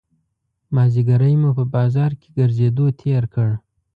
مازیګری مو په بازار کې ګرځېدو تېر کړ.